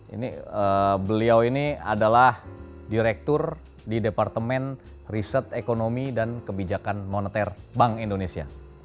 ini beliau ini adalah direktur di departemen riset ekonomi dan kebijakan moneter bank indonesia